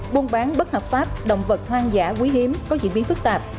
buôn bán bất hợp pháp động vật hoang dã quý hiếm có diễn biến phức tạp